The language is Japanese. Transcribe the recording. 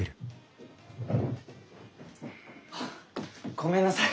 ごめんなさい。